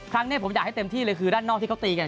ครั้งนี้ผมอยากให้เต็มที่เลยคือด้านนอกที่เขาตีกัน